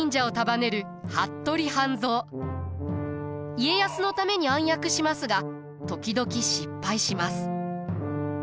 家康のために暗躍しますが時々失敗します。